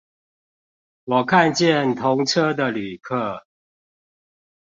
我看見同車的旅客